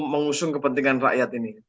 mengusung kepentingan rakyat ini